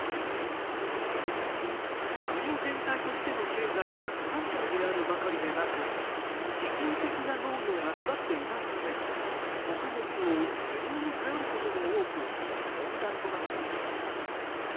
国全体としての経済が不安定であるばかりでなく自給的な農業が育っていないため穀物を輸入に頼ることも多く問題となっている。